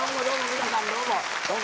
皆さんどうも。